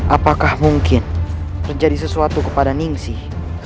apakah mungkin terjadi sesuatu kepada ning sih